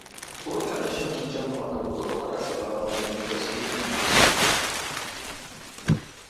کلوئے Kardashian کی چند ماہ قبل کورونا کا شکار ہونے کی تصدیق